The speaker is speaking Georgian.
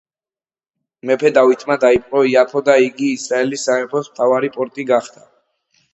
მეფე დავითმა დაიპყრო იაფო და იგი ისრაელის სამეფოს მთავარი პორტი გახდა.